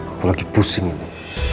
aku lagi pusing ini